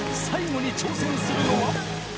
最後に挑戦するのは？］